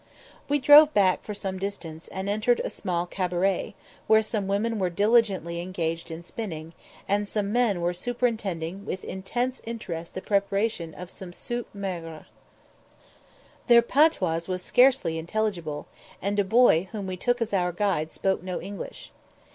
We drove back for some distance, and entered a small cabaret, where some women were diligently engaged in spinning, and some men were superintending with intense interest the preparation of some soupe maigre. Their patois was scarcely intelligible, and a boy whom we took as our guide spoke no English.